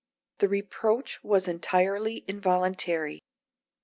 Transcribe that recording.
The reproach was entirely involuntary.